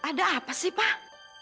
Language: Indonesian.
ada apa sih pak